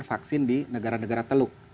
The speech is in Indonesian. vaksin di negara negara teluk